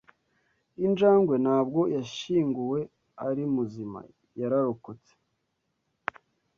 Injangwe ntabwo yashyinguwe ari muzima. Yararokotse.